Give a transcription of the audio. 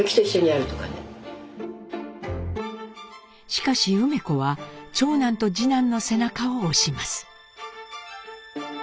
しかし梅子は長男と次男の背中を押します。